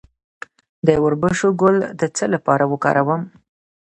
د وربشو ګل د څه لپاره وکاروم؟